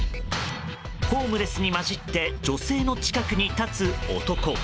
ホームレスに交じって女性の近くに立つ男。